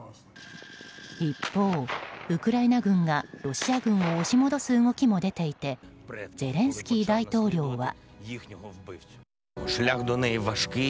一方、ウクライナ軍がロシア軍を押し戻す動きも出ていてゼレンスキー大統領は。